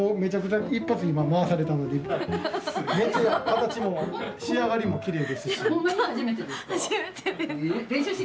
形も仕上がりもきれいですし。